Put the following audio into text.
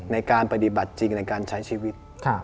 ในการปฏิบัติจริงในการใช้ชีวิต